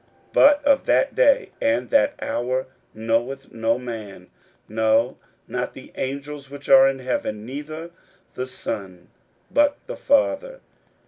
41:013:032 But of that day and that hour knoweth no man, no, not the angels which are in heaven, neither the Son, but the Father.